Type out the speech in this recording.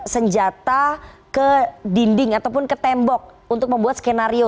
senjata ke dinding ataupun ke tembok untuk membuat skenario